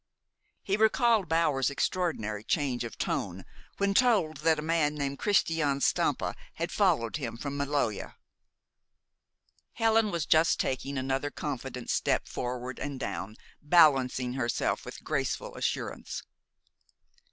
He recalled Bower's extraordinary change of tone when told that a man named Christian Stampa had followed him from Maloja. Helen was just taking another confident step forward and down, balancing herself with graceful assurance.